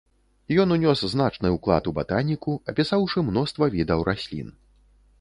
Ён унёс значны ўклад у батаніку, апісаўшы мноства відаў раслін.